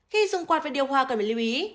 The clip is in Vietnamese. khi dùng quạt với điêu hoa cần phải lưu ý